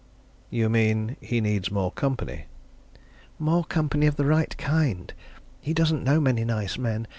"You mean he needs more company?" "More company of the right kind. He doesn't know many nice men.